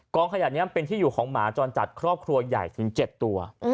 ขยะนี้เป็นที่อยู่ของหมาจรจัดครอบครัวใหญ่ถึง๗ตัว